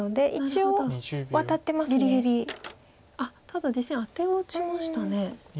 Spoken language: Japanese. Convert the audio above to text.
ただ実戦アテを打ちましたね。